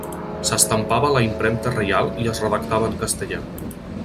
S'estampava a la Impremta Reial i es redactava en castellà.